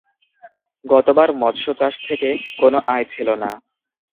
গতবার মৎস্য চাষ থেকে কোনো আয় ছিল না।